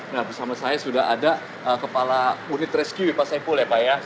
nah bersama saya sudah ada kepala unit rescue bipasai pule pak ya